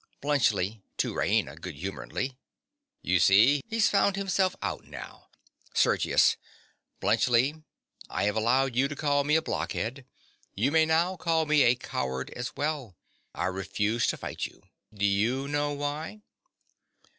BLUNTSCHLI. (to Raina, goodhumoredly). You see: he's found himself out now. SERGIUS. Bluntschli: I have allowed you to call me a blockhead. You may now call me a coward as well. I refuse to fight you. Do you know why?